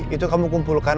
itu kamu kumpulkan